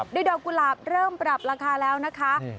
ดอกกุหลาบเริ่มปรับราคาแล้วนะคะ